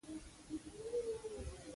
• د غاښونو ستونزه باید ژر حل شي.